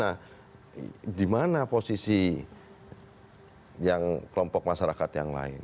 nah di mana posisi yang kelompok masyarakat yang lain